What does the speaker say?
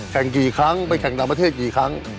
แข่งกี่ครั้งไปแข่งต่างประเทศกี่ครั้ง